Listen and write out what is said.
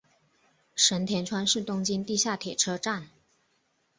神田川是东京地下铁车站。